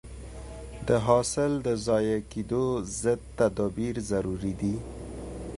د حاصل د ضایع کېدو ضد تدابیر ضروري دي.